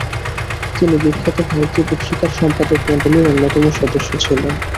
তিনি বিখ্যাত "ভারতী" পত্রিকার সম্পাদকমণ্ডলীর অন্যতম সদস্য ছিলেন।